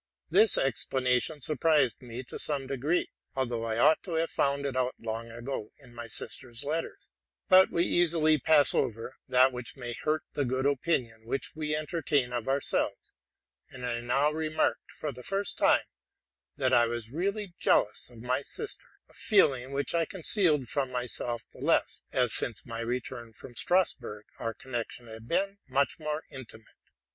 This explanation surprised me to some degree, although I ought to have found it out long ago in my sister's letters ;; but we easily pass oyer that which may 138 TRUTH AND FICTION hurt the good opinion which we entertain of ourselves: and I now remarked for the first time, that I was really jealous about my sister,—a feeling which I concealed from my self the less, as, since my return from Strasburg, our con nection had been much more intimate.